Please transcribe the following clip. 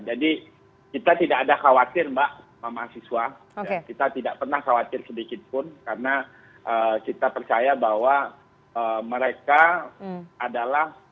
jadi kita tidak ada khawatir mbak mahasiswa kita tidak pernah khawatir sedikitpun karena kita percaya bahwa mereka adalah kawan kita